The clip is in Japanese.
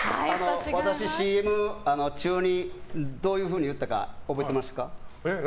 私、ＣＭ中にどういうふうに言ったか覚えてますか？